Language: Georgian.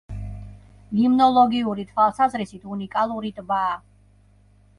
ლიმნოლოგიური თვალსაზრისით უნიკალური ტბაა.